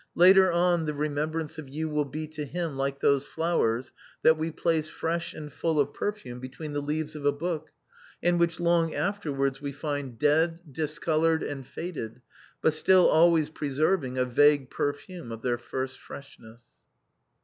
Later on the remembrance of you will be to him like those flowers that we place fresh and full of perfume between the leaves of a book, and which long afterwards we find dead, discolored, and faded, but still always preserving a vague perfume of their first freshness."